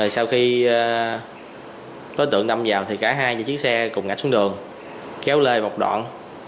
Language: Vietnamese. sau khi đối tượng đâm vào cả hai chiếc xe cùng ngạch xuống đường kéo lê một đoạn